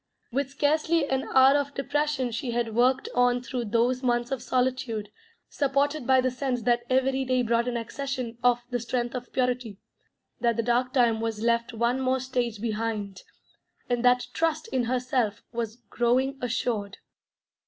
With scarcely an hour of depression she had worked on through those months of solitude, supported by the sense that every day brought an accession of the strength of purity, that the dark time was left one more stage behind, and that trust in herself was growing assured.